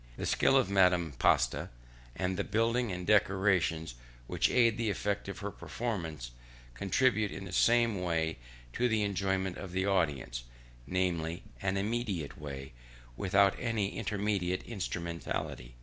The skill of Madame Pasta, and the building and decorations which aid the effect of her performance, contribute in the same way to the enjoyment of the audience, namely, an immediate way, without any intermediate instrumentality.